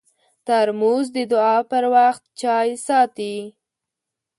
ترموز د دعا پر وخت چای ساتي.